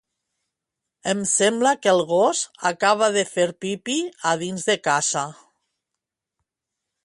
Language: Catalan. Em sembla que el gos acaba de fer pipí a dins de casa.